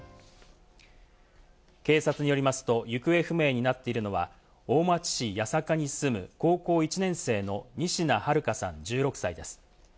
警察によりますと、行方不明になっているのは、大町市八坂に住む高校１年生の仁科日花さん、１６歳です。